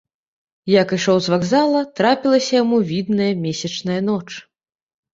Як ішоў з вакзала, трапілася яму відная, месячная ноч.